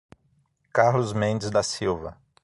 Carlos Mendes da Silva